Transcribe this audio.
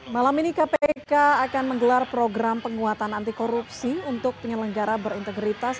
malam ini kpk akan menggelar program penguatan anti korupsi untuk penyelenggara berintegritas